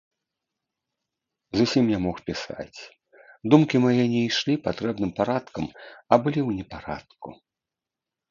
Зусім не мог пісаць, думкі мае не ішлі патрэбным парадкам, а былі ў непарадку.